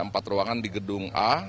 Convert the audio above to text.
empat ruangan di gedung a